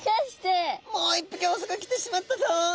もう一匹オスが来てしまったぞ。